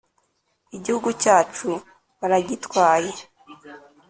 igihugu cyacu baragitwaye